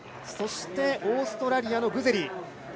そしてオーストラリアのグゼリ。